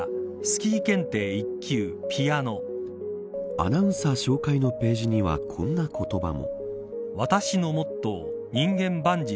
アナウンサー紹介のページにはこんな言葉も。